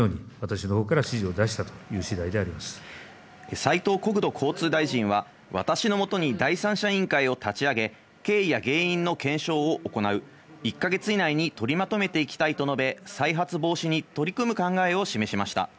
斉藤国土交通大臣は私のもとに第三者委員会を立ち上げ、経緯や原因の検証を行い、１か月以内に取りまとめていきたいと述べ、再発防止に取り組む考えを示しました。